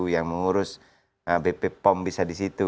yang mau ngurus bp pom bisa di situ